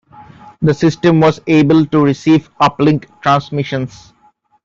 The system was able to receive uplink transmissions.